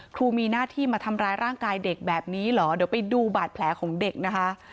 ครูมีหน้าที่มาทำร้ายร่างกายเด็กแบบนี้เหรอเดี๋ยวไปดูบาดแผลของเด็กนะคะ